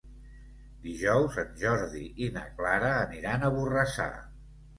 Dijous en Jordi i na Clara aniran a Borrassà.